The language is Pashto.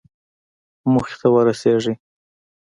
موخې ته ورسېږئ